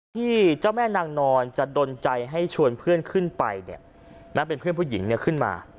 ที่เจ้าแม่นางนอนจะดนใจให้ชวนเพื่อนขึ้นไปเนี่ยแม้เป็นเพื่อนผู้หญิงขึ้นมา